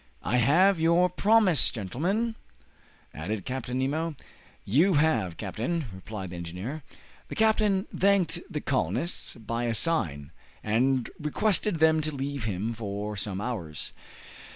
"I have your promise, gentlemen?" added Captain Nemo. "You have, captain," replied the engineer. The captain thanked the colonists by a sign, and requested them to leave him for some hours.